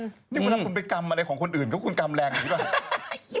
นี่เวลาคุณไปกำอะไรของคนอื่นก็คุณกำแรงอันนี้ก่อน